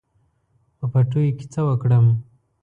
په پټیو کې څه وکړم.